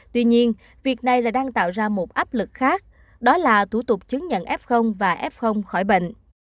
tuy nhiên việc này lại đang tạo ra một áp lực khác đó là thủ tục chứng nhận f và f khỏi bệnh